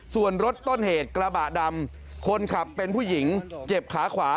ส่วนรถต้นเหตุกระบะดำคนขับเป็นผู้หญิงเจ็บขาขวา